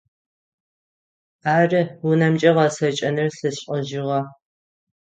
Ары, унэмкӏэ гъэцэкӏэныр сшӏыжьыгъэ.